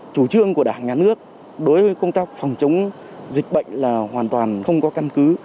chủ trương của đảng nhà nước đối với công tác phòng chống dịch bệnh là hoàn toàn không có căn cứ